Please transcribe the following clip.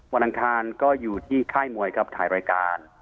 อังคารก็อยู่ที่ค่ายมวยครับถ่ายรายการ